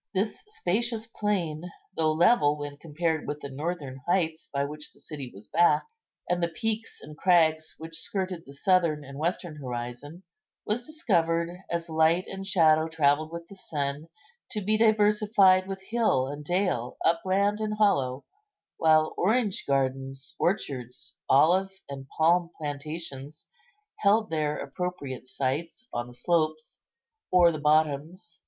This spacious plain, though level when compared with the northern heights by which the city was backed, and the peaks and crags which skirted the southern and western horizon, was discovered, as light and shadow travelled with the sun, to be diversified with hill and dale, upland and hollow; while orange gardens, orchards, olive and palm plantations held their appropriate sites on the slopes or the bottoms.